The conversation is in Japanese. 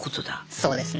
そうですね。